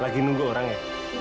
lagi nunggu orang ya